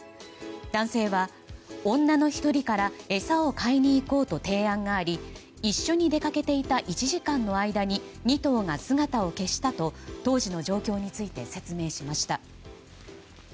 男性は、女の１人から餌を買いに行こうと提案があり一緒に出掛けていた１時間の間に２頭が姿を消したと当時の状況について説明しました。